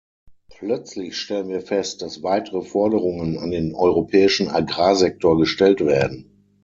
Plötzlich stellen wir fest, dass weitere Forderungen an den europäischen Agrarsektor gestellt werden.